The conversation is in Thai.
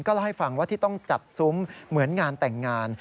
เล่าให้ฟังว่าที่ต้องจัดซุ้มเหมือนงานแต่งงาน